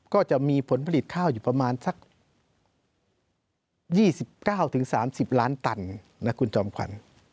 ก็จะมีผลผลิตข้าวอยู่ประมาณสัก๒๙๓๐ล้านตันนะคุณจอมขวัญ